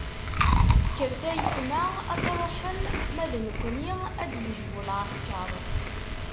Kkret ay ayetma ad truḥem, ma d nekkni ad d-yejbu lɛesker.